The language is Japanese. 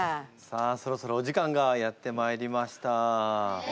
さあそろそろお時間がやってまいりました。